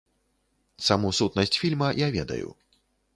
Саму сутнасць фільма я ведаю.